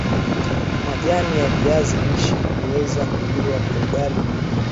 Majani ya viazi lishe huweza kuliwa kwa ugali